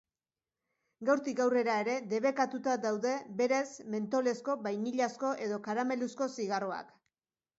Gaurtik aurrera ere, debekatuta daude berez mentolezko, bainilazko edo karameluzko zigarroak.